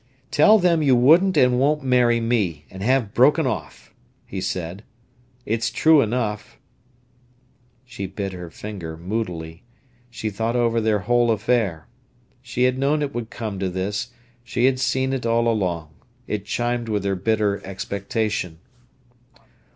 "Tell them you wouldn't and won't marry me, and have broken off," he said. "It's true enough." She bit her finger moodily. She thought over their whole affair. She had known it would come to this; she had seen it all along. It chimed with her bitter expectation.